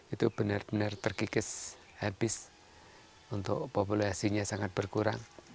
itu benar benar terkikis habis untuk populasinya sangat berkurang